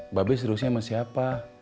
mbak be seriusnya sama siapa